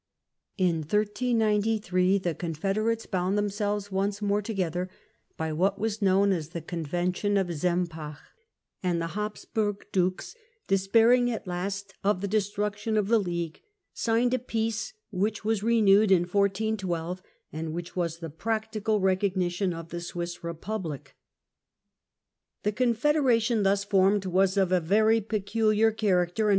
In 1393 the Confederates bound themselves onceiveatyof 1393 more together by what was known as the Convention of Sempach, and the Habsburg Dukes, despairing at last of the destruction of the League, signed a peace which was renewed in 1412 and which was the practical recog nition of the Swiss RepubHc. The Confederation thus formed was of a very pecuHar Character character and.